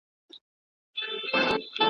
له هیڅ وره ورته رانغلل جوابونه ,